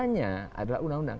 turunannya adalah undang undang